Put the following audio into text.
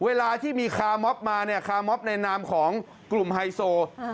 เวลาที่มีคาร์มอฟมาคาร์มอฟในนามของกลุ่มไฮโซลูกนัด